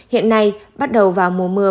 hiện nay bắt đầu vào mùa mưa